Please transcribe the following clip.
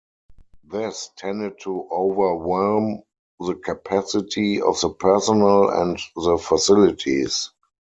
This tended to overwhelm the capacity of the personnel and the facilities.